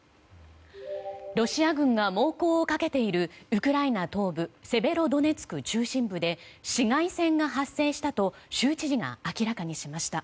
ロシア軍が猛攻をかけているウクライナ東部セベロドネツク中心部で市街戦が発生したと州知事が明らかにしました。